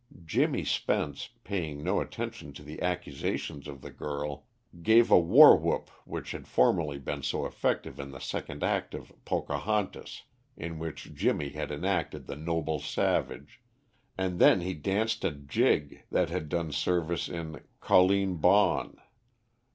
Jimmy Spence, paying no attention to the accusations of the girl, gave a war whoop which had formerly been so effective in the second act of "Pocahontas," in which Jimmy had enacted the noble savage, and then he danced a jig that had done service in Colleen Bawn.